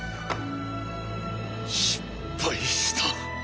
「失敗した」。